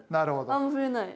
あんま増えない。